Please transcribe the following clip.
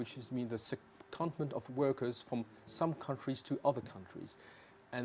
yaitu sekopan pekerja dari beberapa negara ke negara lain